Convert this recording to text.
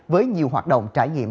với nhiều hoạt động trải nghiệm